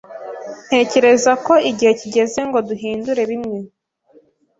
Ntekereza ko igihe kigeze ngo duhindure bimwe.